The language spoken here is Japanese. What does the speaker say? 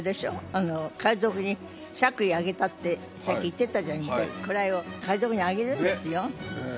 あの海賊に爵位あげたってさっき言ってたじゃないですか位を海賊にあげるんですよ